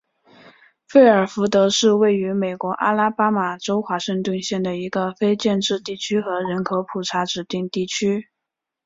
费尔福德是位于美国阿拉巴马州华盛顿县的一个非建制地区和人口普查指定地区。